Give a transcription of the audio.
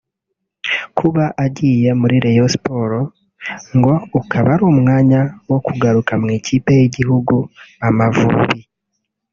Kuba agiye muri Rayon Sport ngo ukaba ari umwanya wo kugaruka mu ikipe y’igihugu” Amavubi”